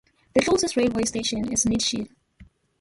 The closest railway station is Nitshill.